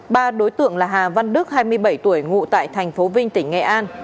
ba đối tượng là hà văn đức hai mươi bảy tuổi ngụ tại thành phố vinh tỉnh nghệ an